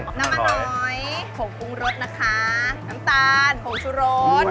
น้ำมะนอยผงปรุงรสนะคะน้ำตาลผงชุโรสงูหน่อยครับ